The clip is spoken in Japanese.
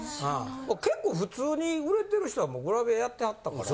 結構普通に売れてる人はもうグラビアやってはったから。